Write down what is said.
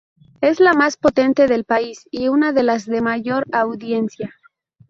Es la más potente del país y una de las de mayor audiencia.